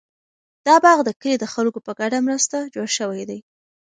دا باغ د کلي د خلکو په ګډه مرسته جوړ شوی دی.